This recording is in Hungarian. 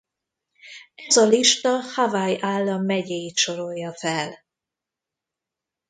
Ez a lista Hawaii állam megyéit sorolja fel.